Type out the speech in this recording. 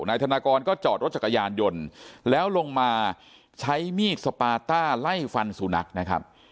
นายธนากรก็จอดรถจักรยานยนต์แล้วลงมาใช้มีดสปาต้าไล่ฟันสุนัขนะครับ